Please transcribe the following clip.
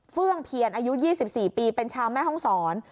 ื่องเพียรอายุ๒๔ปีเป็นชาวแม่ห้องศร